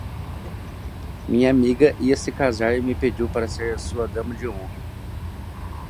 Minha amiga ia se casar e me pediu para ser sua dama de honra.